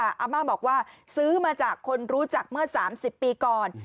อาม่าบอกว่าซื้อมาจากคนรู้จักเมื่อ๓๐ปีก่อน